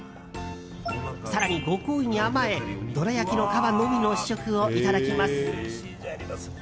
更に、ご厚意に甘えどら焼きの皮のみの試食をいただきます。